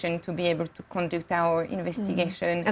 untuk bisa melakukan penyelamat kami